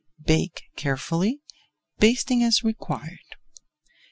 Bake carefully, basting as required.